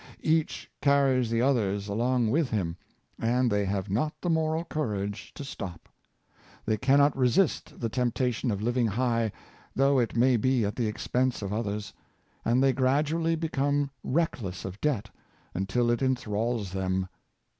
Each carries the oth ers along with him, and they have not the moral cour age to stop. They cannot resist the temptation of liv ing high, though it may be at the expense of others and they graduall}^ become reckless of debt, until it en thralls them.